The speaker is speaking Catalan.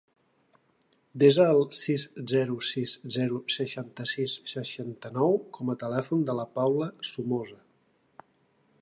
Desa el sis, zero, sis, zero, seixanta-sis, seixanta-nou com a telèfon de la Paula Somoza.